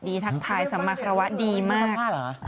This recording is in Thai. ดีทักทายสามารถละวะดีมาก